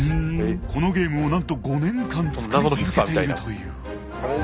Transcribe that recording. このゲームを５年間作り続けているという。